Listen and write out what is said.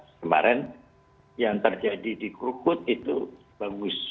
kemarin yang terjadi di krukut itu bagus